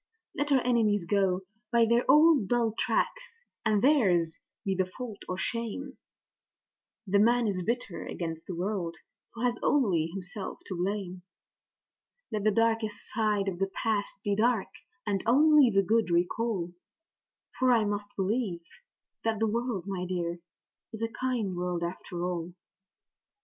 Let our enemies go by their old dull tracks, and theirs be the fault or shame (The man is bitter against the world who has only himself to blame); Let the darkest side of the past be dark, and only the good recall; For I must believe that the world, my dear, is a kind world after all.